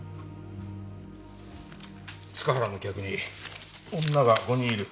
塚原の客に女が５人いる。